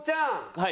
はい。